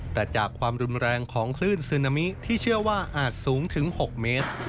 แต่จากความรุนแรงของคลื่นซึนามิที่เชื่อว่าอาจสูงถึง๖เมตร